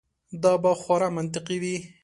دا به خورا منطقي وي.